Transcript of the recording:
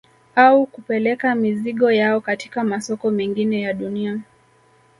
Au kupeleka mizigo yao katika masoko mengine ya dunia